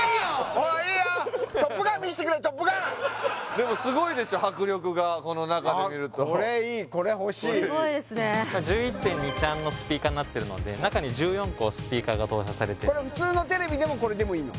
もういいよ「トップガン」でもすごいでしょ迫力がこの中で見るとこれいいこれ欲しいすごいですね・１１．２ｃｈのスピーカーになってるので中に１４個スピーカーが搭載されてこれ普通のテレビでもこれでもいいの？